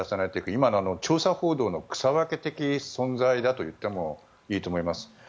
今の調査報道の草分け的存在だと言ってもいいと思います。